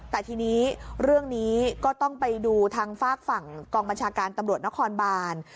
แต่ทีนี้เรื่องนี้ก็ต้องไปดูทางฝากฝั่งกองบัญชาการตำรวจนครบาน